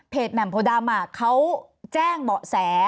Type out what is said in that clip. แหม่มโพดำเขาแจ้งเบาะแส